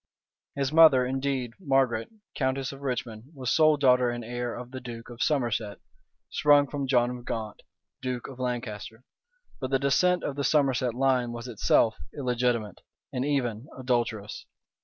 His mother indeed, Margaret, countess of Richmond, was sole daughter and heir of the duke of Somerset, sprung from John of Gaunt, duke of Lancaster: but the descent of the Somerset line was itself illegitimate, and even adulterous.